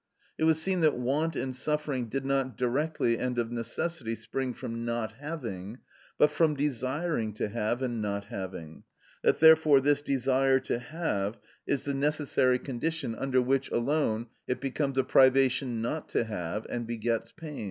It was seen that want and suffering did not directly and of necessity spring from not having, but from desiring to have and not having; that therefore this desire to have is the necessary condition under which alone it becomes a privation not to have and begets pain.